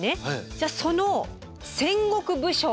じゃあその戦国武将。